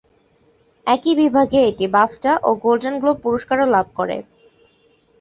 একই বিভাগে এটি বাফটা ও গোল্ডেন গ্লোব পুরস্কারও লাভ করে।